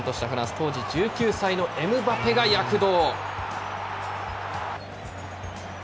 当時１９歳のエムバペが躍動。